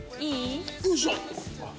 よいしょ！